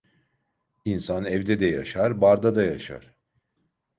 İnsan evde de yaşar, barda da yaşar.